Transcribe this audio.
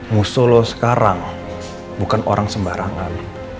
musuh lo sekarang bukan orang sembarangan